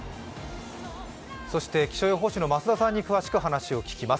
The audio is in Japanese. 気象予報士の増田さんに詳しくお話を聞きます。